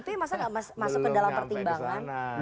masa gak masuk ke dalam pertimbangan